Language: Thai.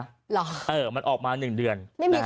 หรอไม่มีใครเห็นมันเลยหรอมันออกมา๑เดือน